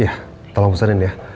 iya tolong pesenin ya